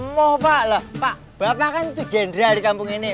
moh pak loh pak bapak kan itu jenderal di kampung ini